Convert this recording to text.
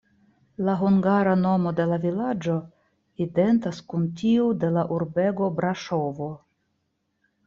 La hungara nomo de la vilaĝo identas kun tiu de la urbego Braŝovo.